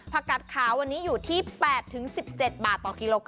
ผักกัดขาววันนี้ที่๘ถึง๑๗บาท